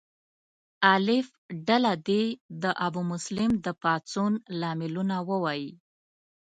الف ډله دې د ابومسلم د پاڅون لاملونه ووایي.